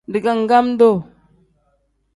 Digangam-duu.